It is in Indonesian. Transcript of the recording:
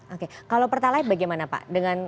oke kalau pertalite bagaimana pak